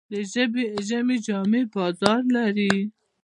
د ژمي جامې بازار لري.